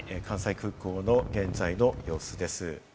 関西空港の現在の様子です。